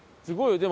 すごい。